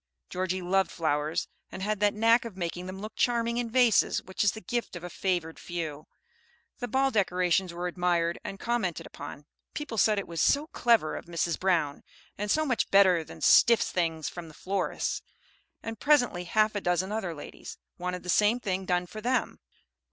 Georgie loved flowers, and had that knack of making them look charming in vases which is the gift of a favored few. The ball decorations were admired and commented upon; people said it was "so clever of Mrs. Brown," and "so much better than stiff things from a florist's," and presently half a dozen other ladies wanted the same thing done for them.